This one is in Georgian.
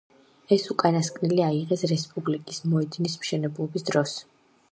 ეს უკანასკნელი აიღეს რესპუბლიკის მოედნის მშენებლობის დროს.